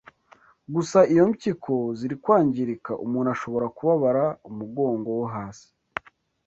gusa iyo impyiko ziri kwangirika umuntu ashobora kubabara umugongo wo hasi